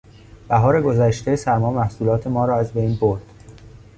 بهار گذشته، سرما محصولات ما را از بین برد.